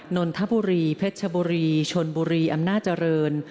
นนทบุรีเพชรชบุรีชนบุรีอำนาจเจริญ